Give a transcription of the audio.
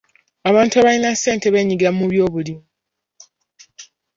Abantu abalina ssente beenyigira mu byobulimi .